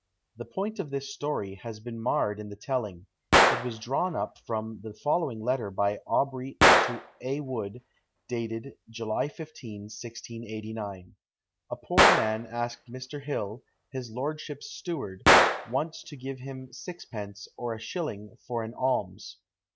The point of this story has been marred in the telling: it was drawn up from the following letter by Aubrey to A. Wood, dated July 15, 1689. "A poor man asked Mr. Hill, his lordship's steward, once to give him sixpence, or a shilling, for an alms.